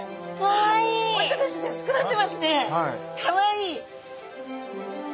かわいい！